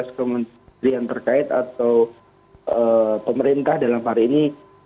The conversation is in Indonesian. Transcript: kami juga mendengarkan protes kementerian terkait atau pemerintah dalam hari ini